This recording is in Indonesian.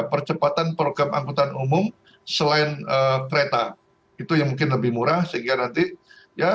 percepatan program angkutan umum selain kereta itu yang mungkin lebih murah sehingga nanti ya